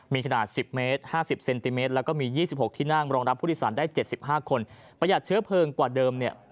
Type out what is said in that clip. มีขนาด๑๐เมตร๕๐เซนติเมตรแล้วก็มี๒๖ที่นั่งรองรับผู้โดยสารได้๗๕คนประหยัดเชื้อเพลิงกว่าเดิมเนี่ย